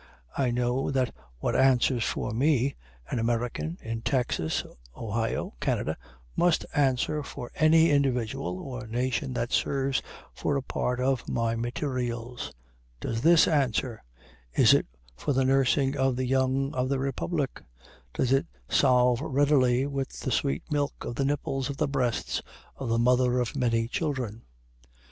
I know that what answers for me, an American, in Texas, Ohio, Canada, must answer for any individual or nation that serves for a part of my materials. Does this answer? Is it for the nursing of the young of the republic? Does it solve readily with the sweet milk of the nipples of the breasts of the Mother of Many Children?